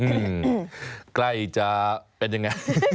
ใกล้จะเป็นยังไง